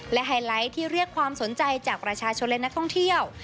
และไฮไลท์ที่เรียกความสนใจจากประชาชนและนักท่องเที่ยว